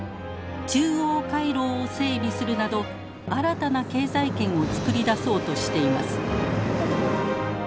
中央回廊を整備するなど新たな経済圏を作り出そうとしています。